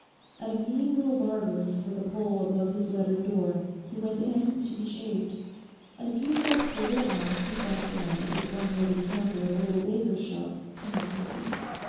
At a mean little barber's with a pole above his lettered door he went in to be shaved. And a few steps further on he sat down at the crumb littered counter of a little baker's shop to have some tea.